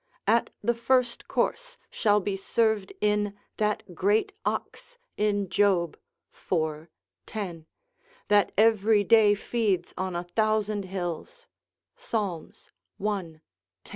At the first course shall be served in that great ox in Job iv. 10., that every day feeds on a thousand hills, Psal. 1. 10.